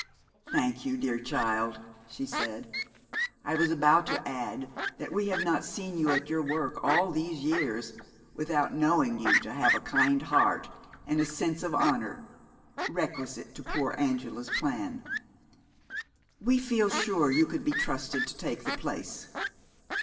"Thank you, dear child," she said. "I was about to add that we have not seen you at your work all these years without knowing you to have the kind heart and sense of honor requisite to poor Angela's plan. We feel sure you could be trusted to take the place.